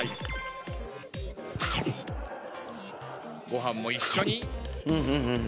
ご飯も一緒に。